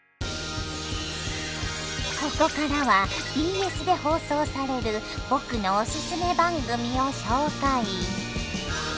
ここからはＢＳで放送される僕のオススメ番組を紹介！